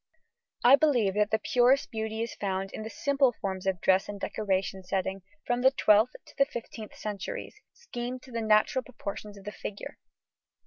I believe the purest beauty is found in the simple forms of dress and decoration settings from the 12th to the 15th centuries, schemed to the natural proportions of the figure.